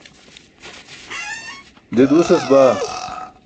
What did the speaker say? je duusas baa